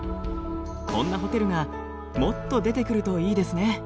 こんなホテルがもっと出てくるといいですね！